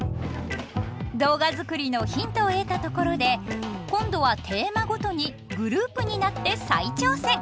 動画作りのヒントを得たところで今度はテーマごとにグループになって再挑戦。